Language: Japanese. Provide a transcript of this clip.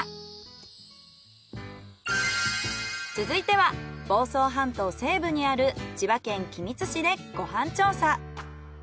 続いては房総半島西部にある千葉県君津市でご飯調査。